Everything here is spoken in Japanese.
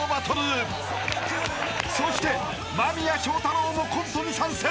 ［そして間宮祥太朗もコントに参戦］